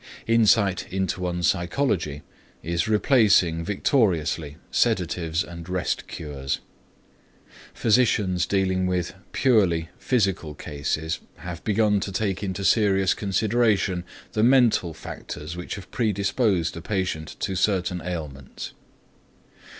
Insight into one's psychology is replacing victoriously sedatives and rest cures. Physicians dealing with "purely" physical cases have begun to take into serious consideration the "mental" factors which have predisposed a patient to certain ailments.